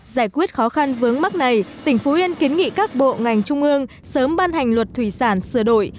giải quyết khó khăn vướng mắt này tỉnh phú yên kiến nghị các bộ ngành trung ương sớm ban hành luật thủy sản sửa đổi